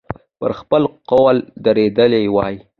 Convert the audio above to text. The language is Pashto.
پر خپل قول درېدلی وای.